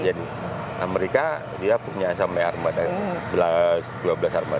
jadi amerika dia punya sampai armada dua belas armada kita dua berdua kan